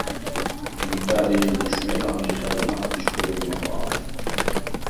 ლიმპა̈რი̄ ლიჩვმე ამჟი ხაზნახ ნიშგვეჲმჷყ-ა: